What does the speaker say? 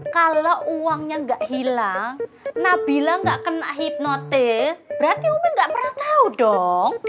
kalau uangnya nggak hilang nabila nggak kena hipnotis berarti omin nggak pernah tahu dong